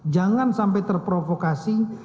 jangan sampai terprovokasi